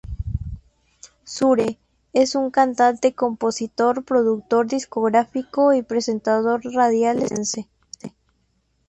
Sure!, es un cantante, compositor, productor discográfico y presentador radial estadounidense.